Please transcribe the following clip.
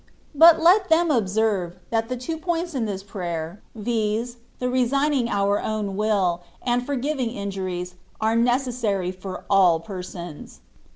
But let them observe, that the two points in this prayer, viz., the resigning our own will, and for giving injuries, are necessary for all persons.